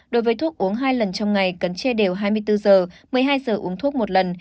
đối với thuốc uống hai lần trong ngày cần che đều hai mươi bốn giờ một mươi hai giờ uống thuốc một lần